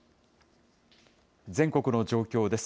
全国の状況です。